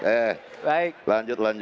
eh lanjut lanjut